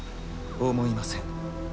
思いません。